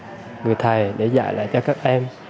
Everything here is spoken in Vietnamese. thầy đã trở thành một người thầy để dạy lại cho các em